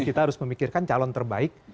kita harus memikirkan calon terbaik